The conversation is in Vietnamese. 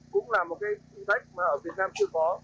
cũng là một cái khung tách ở việt nam chưa có